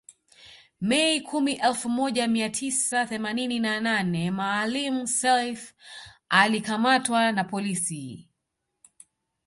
Mei kumi elfu moja mia tisa themanini na nane Maalim Self alikamatwa na polisi